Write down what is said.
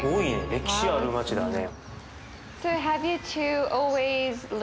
歴史ある街だね。